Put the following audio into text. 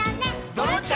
「ドロンチャ！